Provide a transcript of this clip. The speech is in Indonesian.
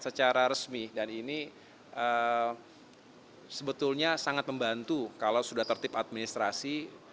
secara resmi dan ini sebetulnya sangat membantu kalau sudah tertib administrasi